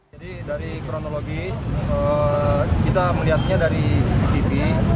jadi dari kronologis kita melihatnya dari cctv